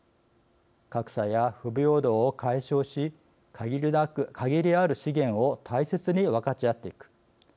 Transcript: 格差や不平等を解消し限りある資源を大切に分かち合っていく。